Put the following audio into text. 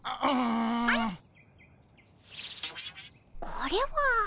これは。